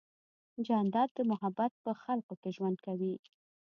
جانداد د محبت په خلقو کې ژوند کوي.